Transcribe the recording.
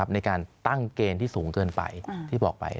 ในการตั้งเกณฑ์ที่สูงเกินไปที่บอกไป